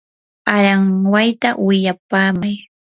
aranwayta willapamay.